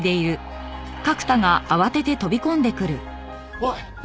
おい！